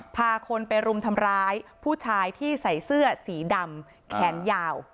พาคนไปรุมทำร้ายผู้ชายที่ใส่เสื้อสีดำแขนยาว